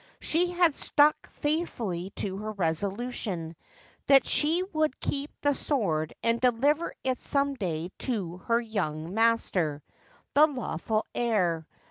She had stuck faithfully to her resolution that she would keep the sword and deliver it some day to her young master, the lawful heir.